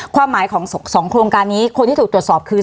ความหมายของ๒โครงการนี้คนที่ถูกตรวจสอบคือ